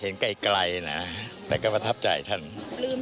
ที่มีโอกาสได้ไปชม